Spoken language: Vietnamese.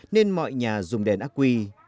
nên mọi nhà dùng đèn ác quy